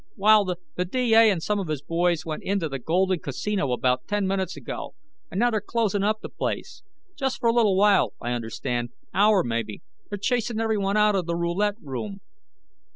"Well, the D.A. and some of his boys went into the Golden Casino about ten minutes ago, and now they're closin' up the place. Just for a little while, I understand. Hour, maybe. They're chasin' everyone out of the roulette room."